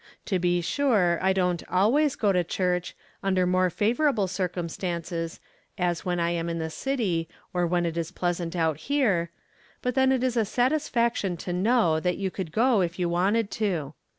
To be sure, I don't always go to church, under more favorable circumstances, as when I am in the city — or when it is pleasant out here — ^but then it is a satisfaction to know that you could go if you wanted to.